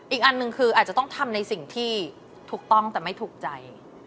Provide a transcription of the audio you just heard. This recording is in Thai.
อีกอันหนึ่งคืออาจจะต้องทำในสิ่งที่ถูกต้องแต่ไม่ถูกใจ